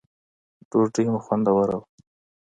ډوډی مو خوندوره وه